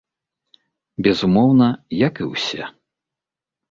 Безумоўна, як і ўсе.